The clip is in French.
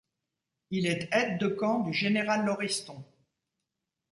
Il est aide de camp du général Lauriston.